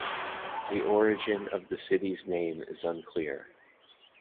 The origin of the city's name is unclear.